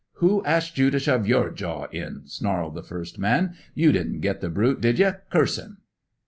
"Who asked you to shove your jaw in?" snarled the first man. "You didn't get the brute, did ye curse him!"